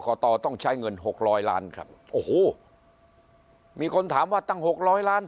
คอตต้องใช้เงิน๖๐๐ล้านครับโอ้โหมีคนถามว่าตั้ง๖๐๐ล้าน